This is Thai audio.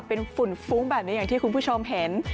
เป็นฝุ่นฟุ้งแบบนี้อย่างที่คุณผู้ชมเห็น